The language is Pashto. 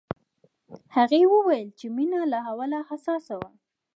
هغې وویل چې مينه له اوله حساسه وه